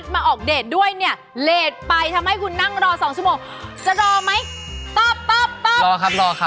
ไม่เป็นไรมารอต่อหน่อย